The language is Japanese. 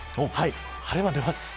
晴れ間が出ます。